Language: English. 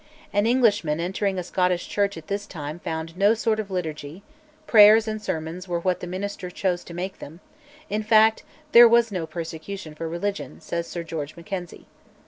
An Englishman entering a Scottish church at this time found no sort of liturgy; prayers and sermons were what the minister chose to make them in fact, there was no persecution for religion, says Sir George Mackenzie.